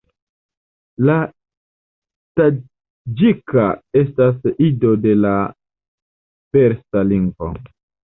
La taĝika estas ido de la persa lingvo.